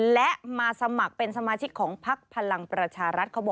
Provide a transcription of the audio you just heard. และมาสมัครเป็นสมาชิกของพักพลังประชารัฐเขาบอก